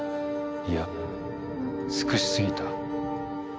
いや尽くしすぎた。